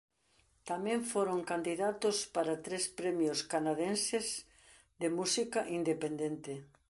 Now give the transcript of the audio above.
Tamén foron candidatos para tres premios canadenses de música independente.